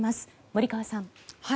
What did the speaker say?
森川さん。